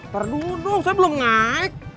ternyata saya belum naik